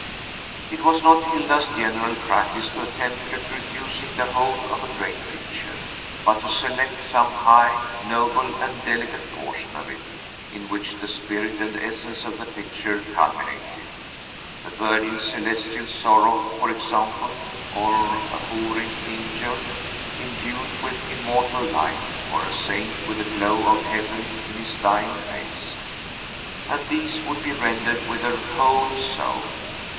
It was not Hilda's general practice to attempt reproducing the whole of a great picture, but to select some high, noble, and delicate portion of it, in which the spirit and essence of the picture culminated: the Virgin's celestial sorrow, for example, or a hovering angel, imbued with immortal light, or a saint with the glow of heaven in his dying face, and these would be rendered with her whole soul.